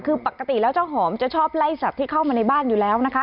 คือปกติแล้วเจ้าหอมจะชอบไล่สัตว์ที่เข้ามาในบ้านอยู่แล้วนะคะ